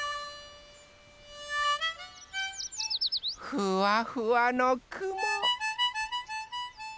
ふわふわのくも。